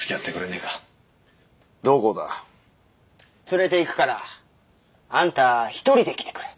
連れていくからあんた一人で来てくれ。